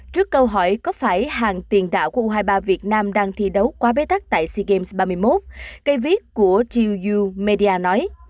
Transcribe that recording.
trước câu hỏi có phải hàng tiền đạo của u hai mươi ba việt nam đang thi đấu quá bế tắc tại sea games ba mươi một cây viết của jee you media nói